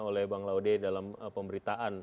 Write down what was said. oleh bang laude dalam pemberitaan